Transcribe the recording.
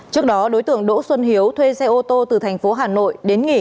trước đó đối tượng đỗ xuân hiếu thuê xe ô tô từ tp hà nội đến nghỉ